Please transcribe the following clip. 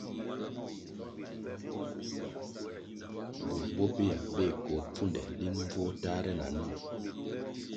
Burʼ bobehya beh koh pfunde linʼ mbvuo tahre na nwo,